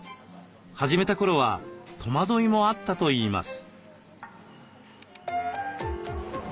始めた頃は戸惑いもあったといいます。